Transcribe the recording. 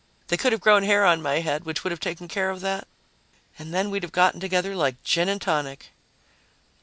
They could have grown hair on my head, which would have taken care of that, and then we'd have gotten together like gin and tonic."